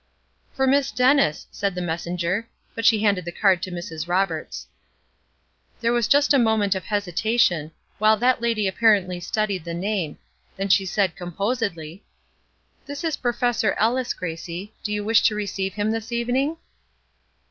"For Miss Dennis," said the messenger; but she handed the card to Mrs. Roberts. There was just a moment of hesitation, while that lady apparently studied the name, then she said, composedly: "This is Professor Ellis, Gracie. Do you wish to receive him this evening?"